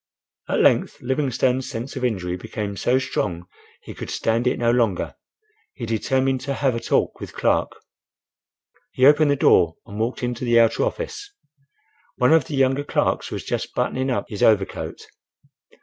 At length, Livingstone's sense of injury became so strong, he could stand it no longer. He determined to have a talk with Clark. He opened the door and walked into the outer office. One of the younger clerks was just buttoning up his overcoat.